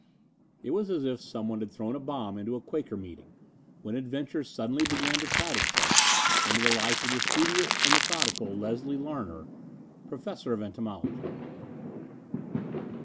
It was as if someone had thrown a bomb into a Quaker meeting, when adventure suddenly began to crowd itself into the life of the studious and methodical Leslie Larner, professor of entomology.